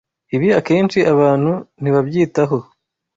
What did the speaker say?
Ibi akenshi abantu ntibabyitaho